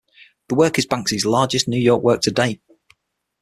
The work is Banksy's largest New York work to date.